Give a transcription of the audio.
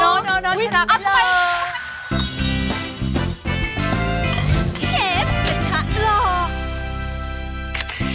โน่นนอชนะกันเลย